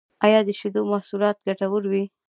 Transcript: ایا د شیدو محصولات ګټور وی؟